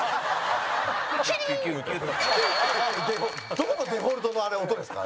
どこのデフォルトの音ですか？